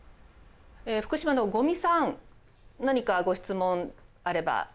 福島の五味さん何かご質問あればどうぞ。